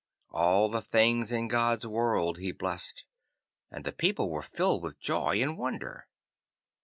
All the things in God's world he blessed, and the people were filled with joy and wonder.